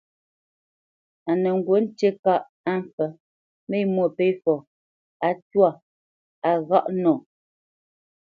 A nə ŋgǔ ŋtí kâʼ á mpfə́ mé Mwôpéfɔ á twâ á ghâʼ nɔ.